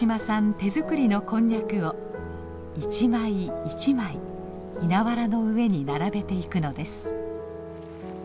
手作りのこんにゃくを一枚一枚稲わらの上に並べていくのです。